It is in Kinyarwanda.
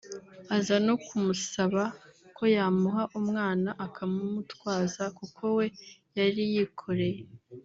aza no kumusaba ko yamuha umwana akamumutwaza kuko we yari yikoreye